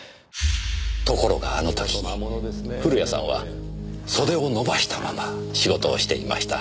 ところがあの時古谷さんは袖を伸ばしたまま仕事をしていました。